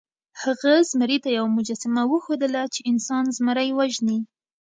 هغه زمري ته یوه مجسمه وښودله چې انسان زمری وژني.